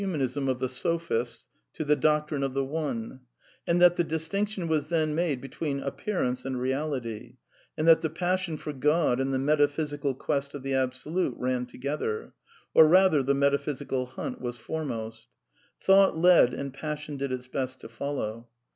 V'— manism of the Sophists, to the doctrine of the One; and that the distinction was then made between appearance and Beality ; and that the passion for God and the meta physical quest of the Absolute ran together. Or rather the metaphysical hunt was foremost. Thought led and 1 (Lpassion did its best to follow.